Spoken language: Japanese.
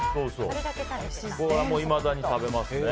いまだに食べますね。